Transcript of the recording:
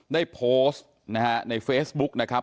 ได้โพสต์นะฮะในเฟซบุ๊กนะครับ